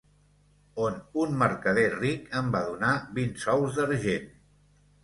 On un mercader ric em va donar vint sous d'argent.